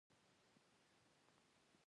_له دې ځايه ورک شه.